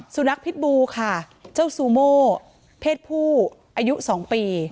สุนัขพิษบูค่ะเจ้าซูโม่เพศผู้อายุ๒ปี